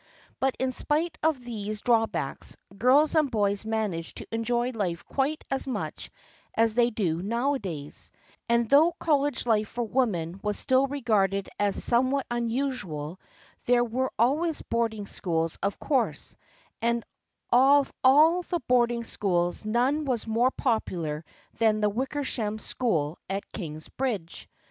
But in spite of these drawbacks girls and boys managed to enjoy life quite as much as they do nowadays, and though college life for women was still regarded as some what unusual there were always boarding schools of course, and of all the boarding schools none was more popular than the Wickersham School at Kingsbridge.